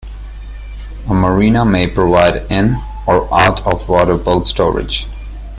A marina may provide in- or out-of-water boat storage.